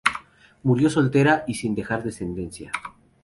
Murió soltera y sin dejar descendencia.